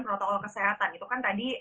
protokol kesehatan itu kan tadi